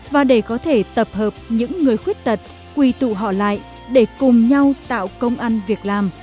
và để có thể tập hợp những người khuyết tật quỳ tụ họ lại để cùng nhau tạo công ăn việc làm